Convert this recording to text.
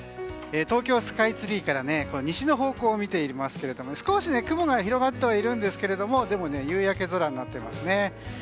東京スカイツリーから西の方向を見ていますが少し雲が広がってはいるんですが夕焼け空になってますね。